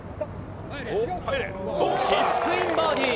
チップインバーディー。